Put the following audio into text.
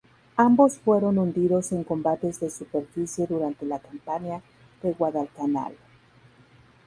Ambos fueron hundidos en combates de superficie durante la Campaña de Guadalcanal.